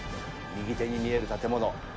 右手に見える建物。